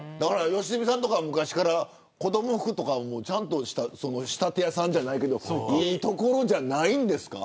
良純さんは昔から子ども服とかちゃんとした仕立て屋さんじゃないけどいいところじゃないんですか。